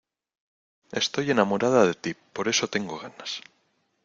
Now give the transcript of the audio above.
estoy enamorada de ti, por eso tengo ganas